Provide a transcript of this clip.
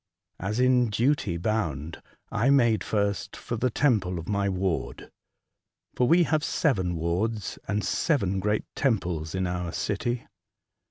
As in duty bound, I made first for the temple of my ward (for we have seven wards and seven great temples in our city).